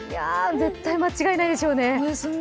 絶対間違いないでしょうね。